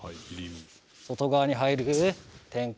外側に入る「転換」。